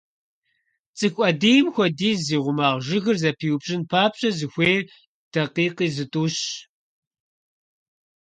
ЦӀыху Ӏэдийм хуэдиз зи гъумагъ жыгыр зэпиупщӀын папщӀэ, зыхуейр дакъикъи зытӀущщ.